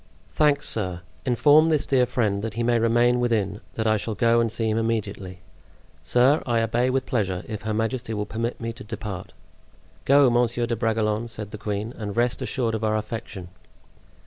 "Thanks, sir. Inform this dear friend that he may remain within, that I shall go and see him immediately." "Sir, I obey with pleasure, if her majesty will permit me to depart." "Go, Monsieur de Bragelonne," said the queen, "and rest assured of our affection."